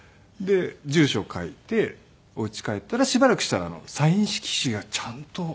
で住所を書いてお家帰ったらしばらくしたらサイン色紙がちゃんと。